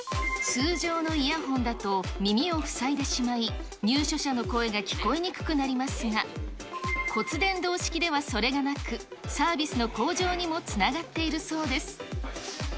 通常のイヤホンだと耳を塞いでしまい、入所者の声が聞こえにくくなりますが、骨伝導式ではそれがなく、サービスの向上にもつながっているそうです。